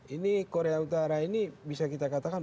ini korea utara ini bisa kita katakan